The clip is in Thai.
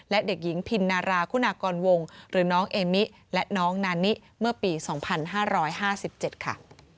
และเด็กหญิงพินนาราคุณากรวงหรือน้องเอมิและน้องนานิเมื่อปี๒๕๕๗ค่ะ